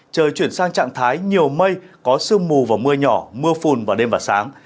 trời chuyển sang trạng thái nhiều mây có sương mù và mưa nhỏ mưa phùn vào đêm và sáng